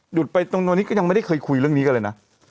ไปตรงตัวนี้ก็ยังไม่ได้เคยคุยเรื่องนี้กันเลยนะ